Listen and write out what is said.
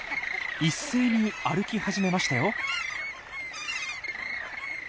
一斉に歩き始めましたよ。